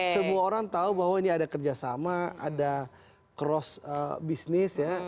semua orang tahu bahwa ini ada kerjasama ada cross business ya